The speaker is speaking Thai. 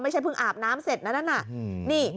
ไม่ใช่เพิ่งอาบน้ำเสร็จนั้นนี่